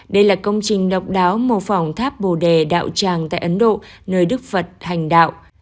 đây là công trình độc đáo mô phỏng tháp bồ đề đạo tràng tại ấn độ nơi đức phật hành đạo